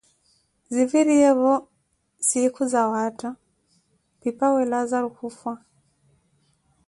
Ziviriyevo siikhu zawaatha, pipaawe Laazaro kufwa